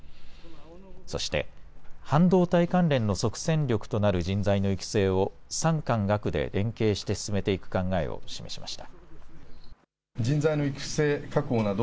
そして、半導体関連の即戦力となる人材の育成を産官学で連携して進めていく考えを示しました。